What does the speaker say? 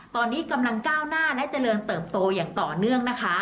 ตอนนี้กำลังก้าวหน้าและเจริญเติบโตอย่างต่อเนื่องนะคะ